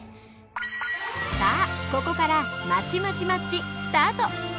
さあここからまちまちマッチスタート。